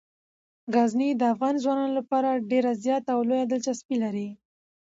غزني د افغان ځوانانو لپاره ډیره زیاته او لویه دلچسپي لري.